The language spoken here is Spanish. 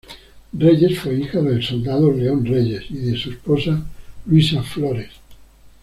Reyes fue hija del soldado León Reyes y de su esposa Luisa Flores.